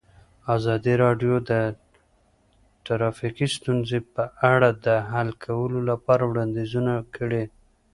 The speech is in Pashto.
ازادي راډیو د ټرافیکي ستونزې په اړه د حل کولو لپاره وړاندیزونه کړي.